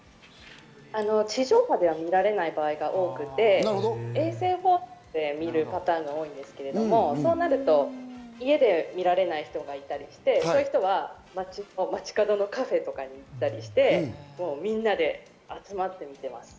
地上波では見られない場合が多くて衛星放送で見られるパターンが多いんですけれども、そうなると家で見られない人がいたりして、そういう人は街角のカフェとかに行ったりして、みんなで集まって見てます。